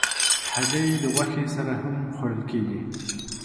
هګۍ د غوښې سره خوړل کېږي.